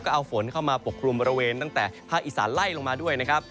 เอาฝนเข้ามาปกครุมบริเวณตั้งแต่ภาคอีสานไล่ลงมาด้วยนะครับ